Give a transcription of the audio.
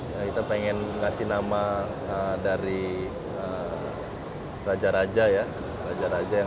ya kita pengen ngasih nama dari raja raja ya